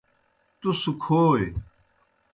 تُس کھوئے۔